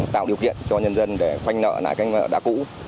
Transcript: tạo điều kiện cho nhân dân để khoanh nợ lại các nợ đã cũ